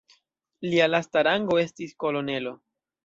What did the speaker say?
Lia lasta rango estis kolonelo.